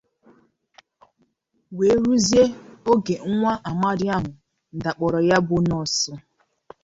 wee ruzie oge nwa amadi ahụ dakpòrò ya bụ nọọsụ